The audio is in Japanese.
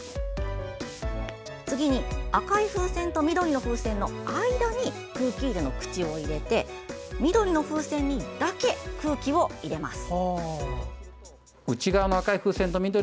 次に、赤い風船と緑の風船の間に空気入れの口を入れて緑の風船にだけ空気を入れます。